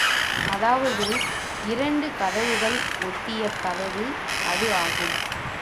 அதாவது இரண்டு கதவுகள் ஒட்டிய கதவு அது ஆகும்.